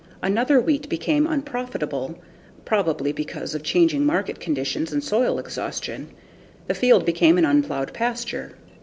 After wheat became unprofitable, probably because of changing market conditions and soil exhaustion, the field became an unplowed pasture.